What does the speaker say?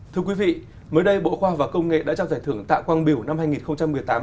thưa quý vị mới đây bộ khoa và công nghệ đã trao giải thưởng tạ quang biểu năm hai nghìn một mươi tám